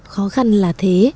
khó khăn là thế